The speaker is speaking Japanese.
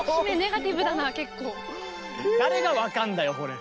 誰が分かんだよこれ。